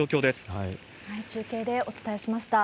中継でお伝えしました。